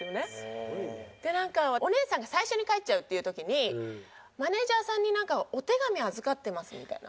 なんかお姉さんが最初に帰っちゃうっていう時にマネジャーさんになんかお手紙預かってますみたいな。